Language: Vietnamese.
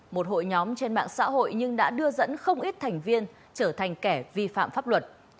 một hội nhóm trên mạng xã hội nhưng đã đưa dẫn không ít thành viên trở thành kẻ vi phạm pháp luật